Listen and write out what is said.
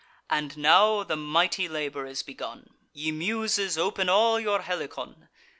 And now the mighty labour is begun Ye Muses, open all your Helicon.